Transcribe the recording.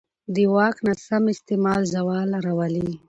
د واک ناسم استعمال زوال راولي